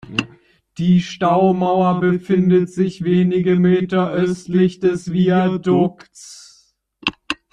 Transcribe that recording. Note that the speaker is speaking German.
Die Staumauer befindet sich wenige Meter östlich des Viadukts.